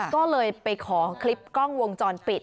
ก็เลยไปขอคลิปกล้องวงจรปิด